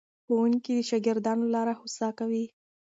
ښوونکي د شاګردانو لاره هوسا کوي.